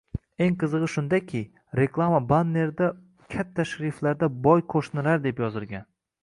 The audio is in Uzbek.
Eng qizig‘i shundaki, reklama bannerida katta shriftlarda “Boy qo‘shnilar” deb yozilgan